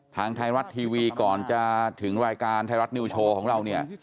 ทางไทยรัฐทีวีก่อนจะถึงรายการไทยรัฐนิวโชว์ของเราเนี่ย